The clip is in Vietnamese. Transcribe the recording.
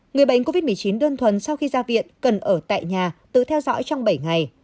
người bệnh covid một mươi chín đơn thuần sau khi ra viện cần ở tại nhà tự theo dõi trong bảy ngày